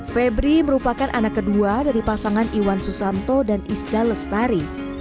febri merupakan anak kedua dari pasangan iwan susanto dan isda lestari